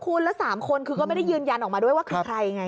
คุณแล้ว๓คนคือก็ไม่ได้ยืนยันออกมาด้วยว่าคือใครไง